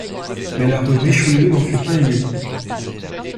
Mais la rue Richelieu n'en fut pas émue.